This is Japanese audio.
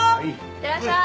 いってらっしゃい！